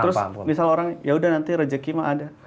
terus misal orang yaudah nanti rezeki mah ada